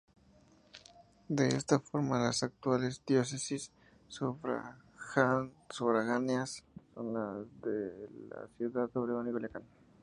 De esta forma, las actuales diócesis sufragáneas son las de Ciudad Obregón y Culiacán.